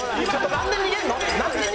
なんで逃げるの？